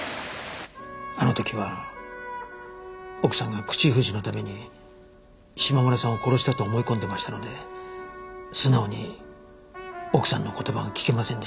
あの時は奥さんが口封じのために島村さんを殺したと思い込んでましたので素直に奥さんの言葉が聞けませんでした。